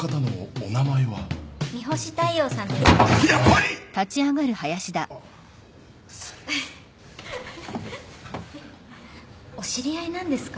お知り合いなんですか？